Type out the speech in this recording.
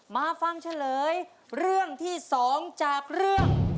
มาฟังเฉลยเรื่องที่๒จากเรื่อง